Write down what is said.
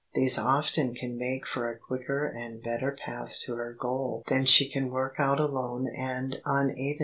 These often can make for her a quicker and better path to her goal than she can work out alone and unaided.